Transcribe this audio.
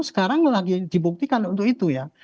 sekarang lagi dibuktikan untuk itu ya